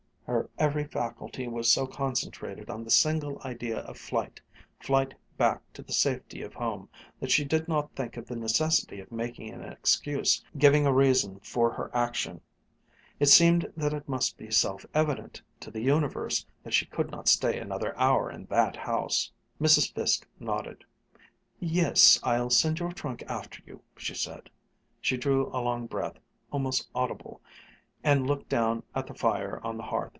Her every faculty was so concentrated on the single idea of flight flight back to the safety of home, that she did not think of the necessity of making an excuse, giving a reason for her action. It seemed that it must be self evident to the universe that she could not stay another hour in that house. Mrs. Fiske nodded. "Yes, I'll send your trunk after you," she said. She drew a long breath, almost audible, and looked down at the fire on the hearth.